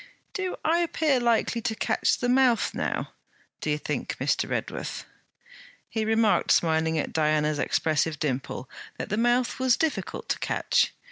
'Do I appear likely to catch the mouth now, do you think, Mr. Redworth?' He remarked, smiling at Diana's expressive dimple, that the mouth was difficult to catch.